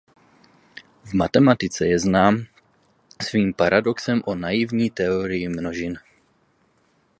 V matematice je znám svým paradoxem v naivní teorii množin.